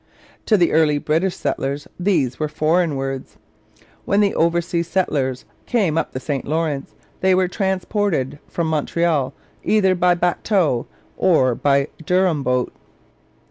To the early British settler these were foreign words. When the oversea settlers came up the St Lawrence they were transported from Montreal either by 'bateau' or by 'Durham boat.'